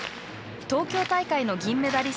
東京大会の銀メダリスト